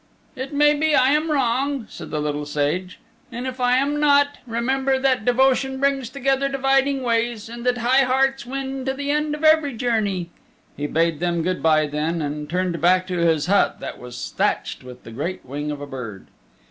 "It may be I am wrong," said the Little Sage, "and if I am not, remember that devotion brings together dividing ways and that high hearts win to the end of every journey." He bade them good by then, and turned back to his hut that was thatched with the great wing of a bird.